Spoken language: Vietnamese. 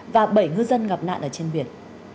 và bảy ngư dân ngập nạn ở trên biển